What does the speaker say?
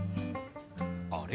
あれ？